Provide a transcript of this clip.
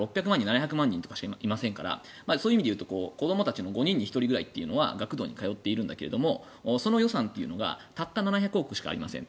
そういう意味でいうと子どもたちの５人に１人ぐらいは学童に通っているんだけどその予算というのがたった７００億しかありませんと。